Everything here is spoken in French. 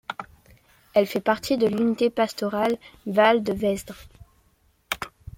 Elle fait partie de l'unité pastorale Val de Vesdre.